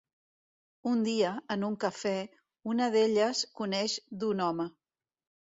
Un dia, en un cafè, una d'elles coneix d'un home.